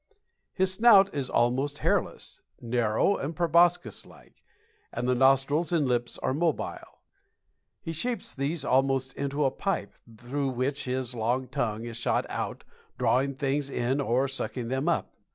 His snout is almost hairless, narrow and proboscis like, and the nostrils and lips are mobile. He shapes these almost into a pipe, through which his long tongue is shot out, drawing things in or sucking them up.